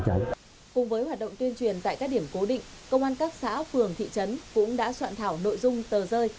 cùng với hoạt động tuyên truyền tại các điểm cố định công an các xã phường thị trấn cũng đã soạn thảo nội dung tờ rơi